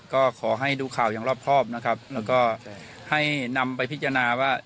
ก็ขอให้ดูข่าวอย่างรอบครอบนะครับแล้วก็ให้นำไปพิจารณาว่า